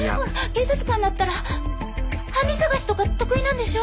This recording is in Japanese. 警察官だったら犯人捜しとか得意なんでしょ？